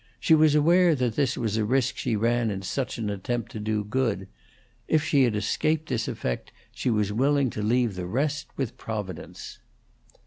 She was aware that this was a risk she ran in such an attempt to do good. If she had escaped this effect she was willing to leave the rest with Providence.